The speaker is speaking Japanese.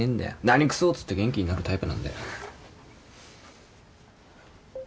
何くそっつって元気になるタイプなんだよ。